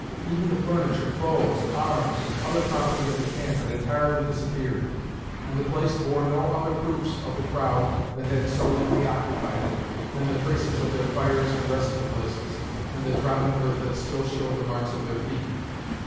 Even the furniture, clothes, arms, and other property of the camp had entirely disappeared, and the place bore no other proofs of the crowd that had so lately occupied it, than the traces of their fires and resting places, and the trodden earth that still showed the marks of their feet.